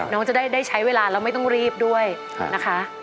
น้องจะได้ใช้เวลาแล้วไม่ต้องรีบด้วยนะคะ